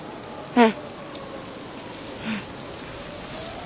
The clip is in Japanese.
うん。